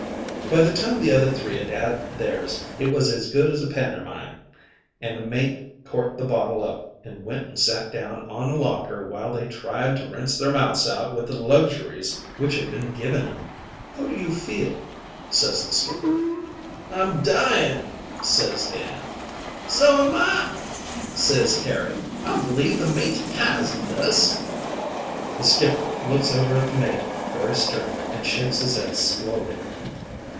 "By the time the other three 'ad 'ad theirs it was as good as a pantermine, an' the mate corked the bottle up, and went an' sat down on a locker while they tried to rinse their mouths out with the luxuries which had been given 'em. "'How do you feel?' ses the skipper. "'I'm dying,' ses Dan. "'So'm I,' ses Harry; 'I b'leeve the mate's pisoned us.' "The skipper looks over at the mate very stern an' shakes his 'ed slowly.